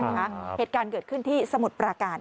เหตุการณ์เกิดขึ้นที่สมุทรปราการ